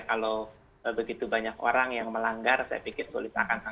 kalau begitu banyak orang yang melanggar saya pikir akan sangat